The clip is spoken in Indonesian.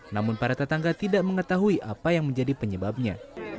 namun para tetangga tidak mengetahui apa yang menjadi penyebabnya